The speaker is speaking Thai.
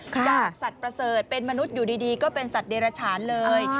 จากสัตว์ประเสริฐเป็นมนุษย์อยู่ดีก็เป็นสัตว์เดรฉานเลย